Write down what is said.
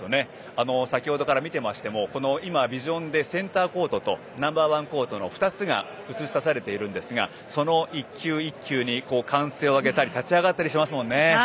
先ほどから見てましてもビジョンでセンターコートとナンバー１コートの２つが映し出されているんですがその１球１球に歓声を上げたり立ち上がったりしてますもんね。